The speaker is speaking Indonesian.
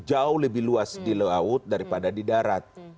jauh lebih luas di laut daripada di darat